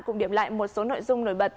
cùng điểm lại một số nội dung nổi bật